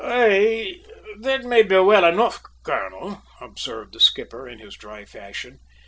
"Aye, that may be well enough, colonel," observed the skipper in his dry fashion.